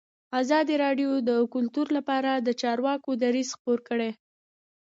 ازادي راډیو د کلتور لپاره د چارواکو دریځ خپور کړی.